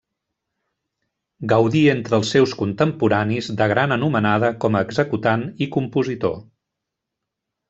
Gaudí entre els seus contemporanis de gran anomenada com a executant i compositor.